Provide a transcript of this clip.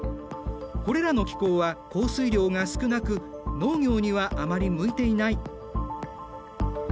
これらの気候は降水量が少なく農業にはあまり向いていない。